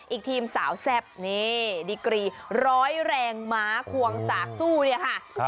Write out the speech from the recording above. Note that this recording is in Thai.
อีกทีมสาวแซ่บนี่ดีกรีร้อยแรงม้าควงสากสู้เนี่ยค่ะ